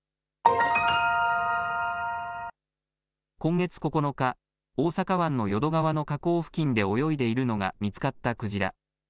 今月９日、大阪湾の淀川の河口付近で泳いでいるのが見つかったクジラ。